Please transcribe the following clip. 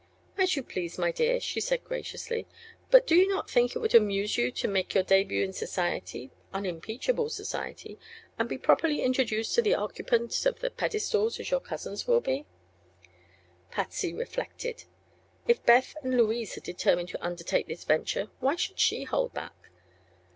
"As you please, my dear," she said graciously; "but do you not think it would amuse you to make your debut in society unimpeachable society and be properly introduced to the occupants of the 'pedestals,' as your cousins will be?" Patsy reflected. If Beth and Louise had determined to undertake this venture why should she hold back?